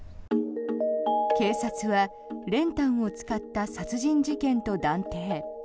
警察は練炭を使った殺人事件と断定。